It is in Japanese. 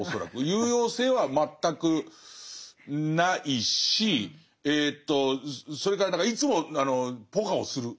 有用性は全くないしえとそれから何かいつもポカをする。